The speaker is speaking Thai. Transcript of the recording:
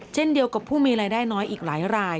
เช่นเดียวกับผู้มีรายได้น้อยอีกหลายราย